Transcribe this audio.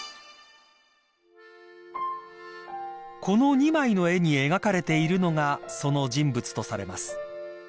［この２枚の絵に描かれているのがその人物とされます］